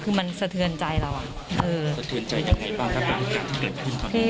ถือว่ามันสะเทือนใจแหละยังไงบ้างนาการใช้ภาพนี้